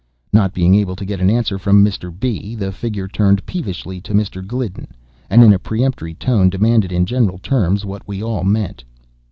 Not being able to get an answer from Mr. B., the figure turned peevishly to Mr. Gliddon, and, in a peremptory tone, demanded in general terms what we all meant.